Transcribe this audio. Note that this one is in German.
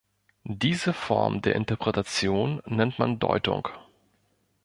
Diese Form der Interpretation nennt man Deutung.